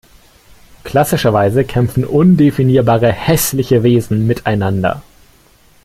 Klassischerweise kämpfen undefinierbare hässliche Wesen miteinander.